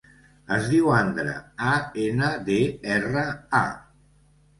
Es diu Andra: a, ena, de, erra, a.